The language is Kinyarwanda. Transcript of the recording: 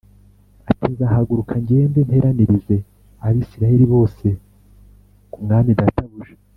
ati “Nzahaguruka ngende nteranirize Abisirayeli bose ku mwami databuja